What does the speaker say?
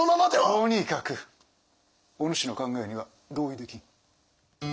とにかくお主の考えには同意できん。